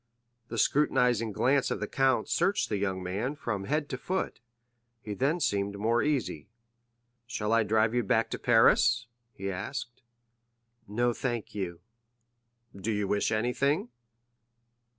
The scrutinizing glance of the count searched the young man from head to foot. He then seemed more easy. "Shall I drive you back to Paris?" he asked. "No, thank you." "Do you wish anything?"